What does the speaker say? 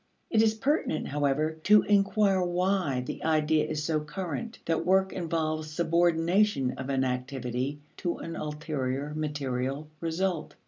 It is pertinent, however, to inquire why the idea is so current that work involves subordination of an activity to an ulterior material result.